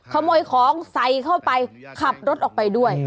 ขโมยของใส่เข้าไปขับรถออกไปด้วย